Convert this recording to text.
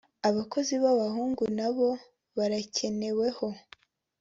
Abakozi ba bahungu na bo barakeneweho